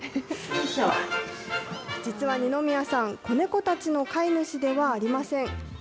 実は二宮さん、子猫たちの飼い主ではありません。